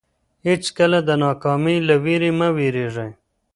هیڅکله د ناکامۍ له وېرې مه وېرېږئ.